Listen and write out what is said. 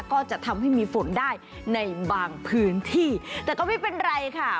ก็จะทำให้มีฝนได้ในบางพื้นที่แต่ก็ไม่เป็นไรค่ะ